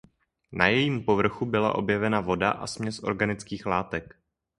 Na jejím povrchu byla objevena voda a směs organických látek.